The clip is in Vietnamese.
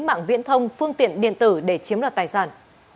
mạng viễn thông phương tiện điện tử để chiếm đoạt tài sản